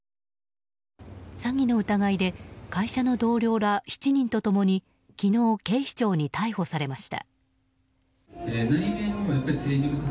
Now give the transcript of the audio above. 詐欺の疑いで会社の同僚ら７人と共に昨日、警視庁に逮捕されました。